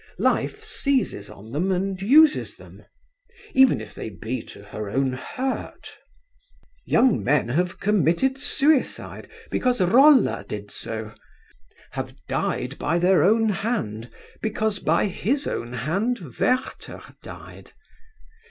Life seizes on them and uses them, even if they be to her own hurt. Young men have committed suicide because Rolla did so, have died by their own hand because by his own hand Werther died.